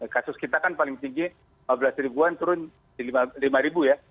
kasus kita kan paling tinggi lima belas ribuan turun di lima ribu ya